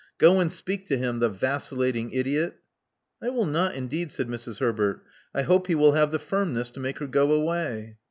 Go and speak to him — the vacillating idiot!" "I will not, indeed," said Mrs. Herbert. '*I hope he will have the firmness to make her go away.